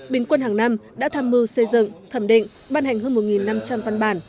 bình quân hàng năm đã tham mưu xây dựng thẩm định ban hành hơn một năm trăm linh văn bản